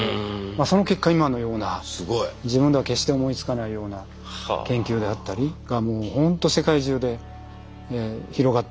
その結果今のような自分では決して思いつかないような研究であったりがもうほんと世界中で広がっていますから。